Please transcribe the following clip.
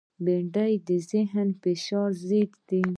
بېنډۍ د ذهنی فشار ضد ده